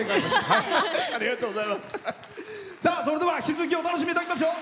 それでは引き続きお楽しみいただきますよ。